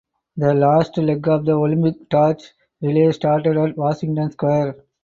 The last leg of the Olympic torch relay started at Washington Square.